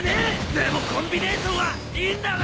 でもコンビネーションはいいんだよな！